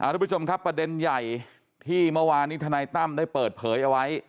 ทุกผู้ชมครับประเด็นใหญ่ที่เมื่อวานนี้ทนายตั้มได้เปิดเผยเอาไว้